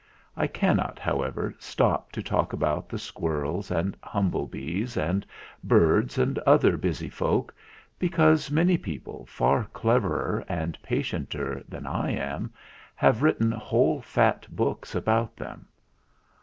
I cannot, however, stop to talk about the squirrels and humble bees and birds and other busy folk, because many people, far cleverer and patienter than I am, have written whole fat books about them.